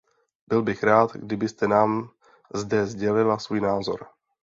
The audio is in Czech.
Byl bych rád, kdybyste nám zde sdělila svůj názor.